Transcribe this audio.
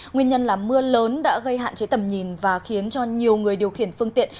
nguyên nhân là mưa lớn đã gây hạn chế tầm nhìn và khiến cho nhiều người điều khiển phương tiện